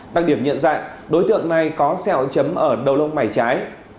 đặc điểm nhận dạng đối tượng này có sẹo chấm ở đầu lông mày trái